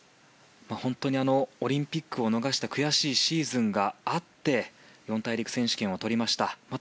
本当にオリンピックを逃して悔しいシーズンがあって四大陸選手権をとりました。